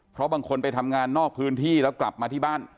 เพราะบางคนไปทำงานนอกพื้นที่แล้วกลับมาที่บ้าน